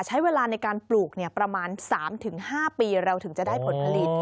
ใช้เวลาในการปลูกประมาณ๓๕ปีเราถึงจะได้ผลผลิต